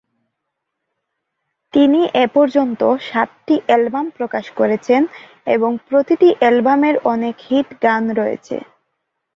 তিনি এ পর্যন্ত সাতটি অ্যালবাম প্রকাশ করেছেন এবং প্রতিটি অ্যালবামের অনেক হিট গান রয়েছে।